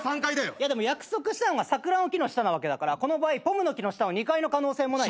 いやでも約束したのが桜の木の下なわけだからこの場合ポムの樹の下の２階の可能性もない？